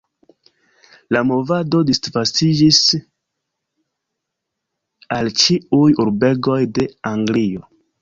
La movado disvastiĝis al ĉiuj urbegoj de Anglio.